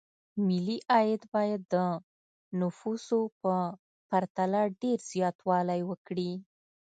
ملي عاید باید د نفوسو په پرتله ډېر زیاتوالی وکړي.